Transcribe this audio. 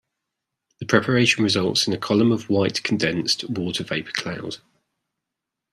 The preparation results in a column of white condensed water vapour cloud.